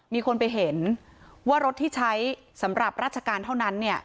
มีคนไปเห็นว่ารถที่ใช้สำหรับราชการเท่านั้น